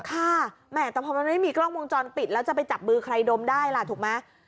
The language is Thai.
ค่ะแหมแต่พอมันไม่มีกล้องวงจรปิดแล้วจะไปจับมือใครดมได้ล่ะถูกไหม